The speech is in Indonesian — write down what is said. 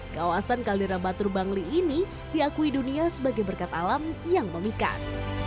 kawasan kaldera batur bangli ini diakui dunia sebagai berkat alam yang memikat